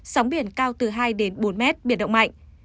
sóng biển cao từ hai đến bốn mét biển động mạnh